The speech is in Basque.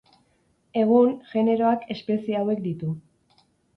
Egun, generoak espezie hauek ditu.